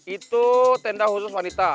itu tenda khusus wanita